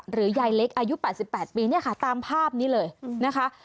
ยายเล็กอายุ๘๘ปีเนี่ยค่ะตามภาพนี้เลยนะคะ